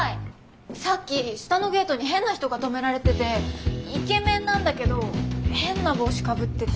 さっき下のゲートに変な人が止められててイケメンなんだけど変な帽子かぶってて。